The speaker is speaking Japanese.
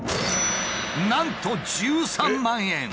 なんと１３万円！